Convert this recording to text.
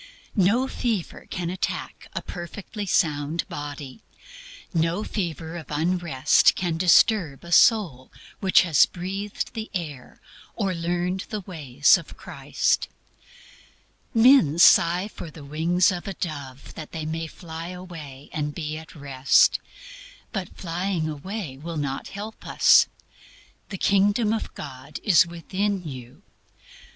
No fever can attack a perfectly sound body; no fever of unrest can disturb a soul which has breathed the air or learned the ways of Christ. Men sigh for the wings of a dove that they may fly away and be at Rest. But flying away will not help us. "The Kingdom of God is within you."